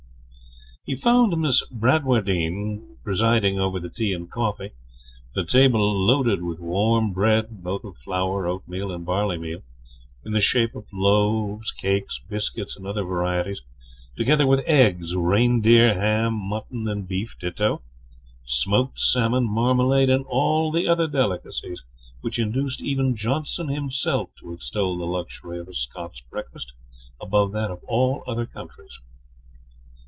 He found Miss Bradwardine presiding over the tea and coffee, the table loaded with warm bread, both of flour, oatmeal, and barleymeal, in the shape of loaves, cakes, biscuits, and other varieties, together with eggs, reindeer ham, mutton and beef ditto, smoked salmon, marmalade, and all the other delicacies which induced even Johnson himself to extol the luxury of a Scotch breakfast above that of all other countries.